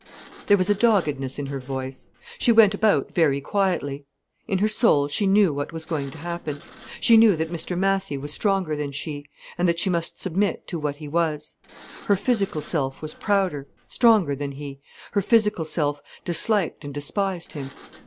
There was a doggedness in her voice. She went about very quietly. In her soul, she knew what was going to happen. She knew that Mr Massy was stronger than she, and that she must submit to what he was. Her physical self was prouder, stronger than he, her physical self disliked and despised him.